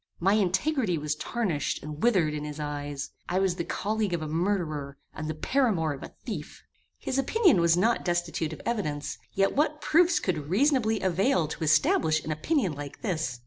My integrity was tarnished and withered in his eyes. I was the colleague of a murderer, and the paramour of a thief! His opinion was not destitute of evidence: yet what proofs could reasonably avail to establish an opinion like this?